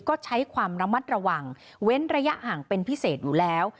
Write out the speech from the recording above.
ก็ใช้ความระมัดระวังเว้นระยะห่างเป็นพิเศษอยู่แล้ว